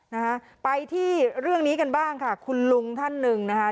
นะฮะไปที่เรื่องนี้กันบ้างค่ะคุณลุงท่านหนึ่งนะคะ